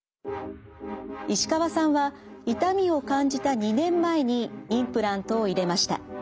石川さんは痛みを感じた２年前にインプラントを入れました。